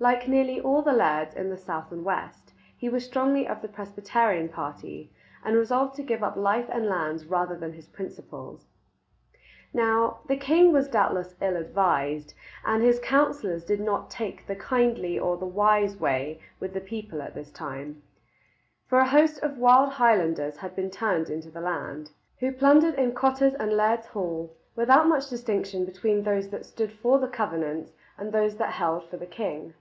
Like nearly all the lairds in the south and west, he was strongly of the Presbyterian party, and resolved to give up life and lands rather than his principles. Now, the king was doubtless ill advised, and his councillors did not take the kindly or the wise way with the people at this time; for a host of wild Highlanders had been turned into the land, who plundered in cotter's and laird's hall without much distinction between those that stood for the Covenants and those that held for the king.